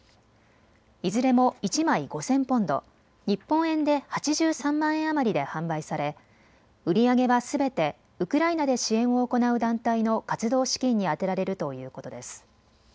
いずれも１枚５０００ポンド、日本円で８３万円余りで販売され売り上げはすべてウクライナで支援を行う団体の活動資金に充てられるということです。